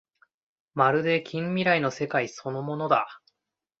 まるで近未来の世界そのものだ